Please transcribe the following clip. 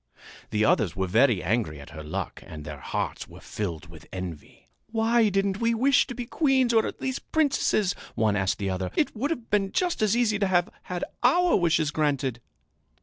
The others were very angry at her luck and their hearts were filled with envy. "Why didn't we wish to be queens or at least princesses?" one asked the other. "It would have been just as easy to have had our wishes granted!"